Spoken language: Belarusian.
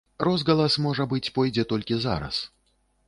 Розгалас, можа быць, пойдзе толькі зараз.